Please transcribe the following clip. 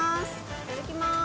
いただきます。